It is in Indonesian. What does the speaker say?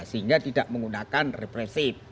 sehingga tidak menggunakan represif